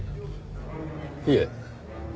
いえ。